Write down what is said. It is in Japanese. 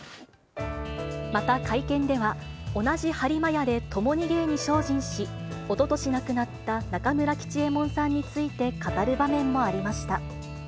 また、会見では、同じ播磨屋で共に芸に精進し、おととし亡くなった中村吉右衛門さんについて語る場面もありました。